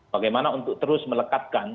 bagaimana untuk terus melekatkan